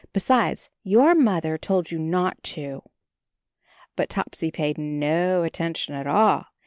Besides, your mother told you not to." But Topsy paid no attention at all.